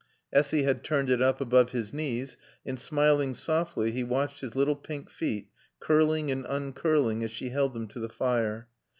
Essy had turned it up above his knees, and smiling softly she watched his little pink feet curling and uncurling as she held them to the fire.